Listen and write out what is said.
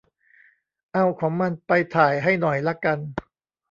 เอา ของมันไปถ่ายให้หน่อยละกัน